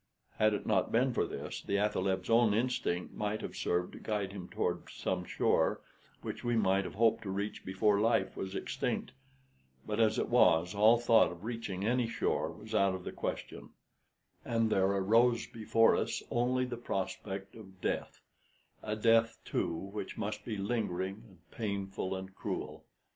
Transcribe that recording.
Had it not been for this, the athaleb's own instinct might have served to guide him toward some shore which we might have hoped to reach before life was extinct; but as it was, all thought of reaching any shore was out of the question, and there arose before us only the prospect of death a death, too, which must be lingering and painful and cruel.